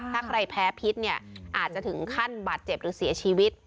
ถ้าใครแพ้พิษเนี่ยอาจจะถึงขั้นบาดเจ็บหรือเสียชีวิต